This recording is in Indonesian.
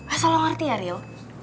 ah salah ngerti ya rio